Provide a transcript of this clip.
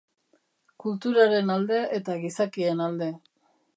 Kulturaren alde eta gizakien alde.